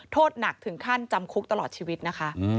โทษหนักถึงขั้นจำคุกตลอดชีวิตนะคะ